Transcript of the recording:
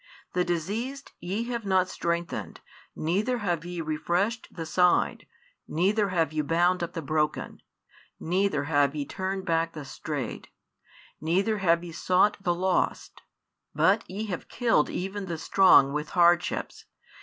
The diseased ye have not strengthened, neither have ye refreshed the side, neither have ye bound up the broken, neither have ye turned back the strayed, neither have ye sought the lost; but ye have killed even the strong with hardships.